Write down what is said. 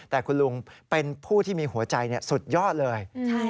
แต่คุณลุงเป็นผู้ที่มีหัวใจสุดยอดเลย